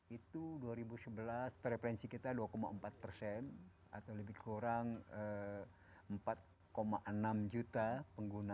itu dua ribu sebelas preferensi kita dua empat persen atau lebih kurang empat enam juta pengguna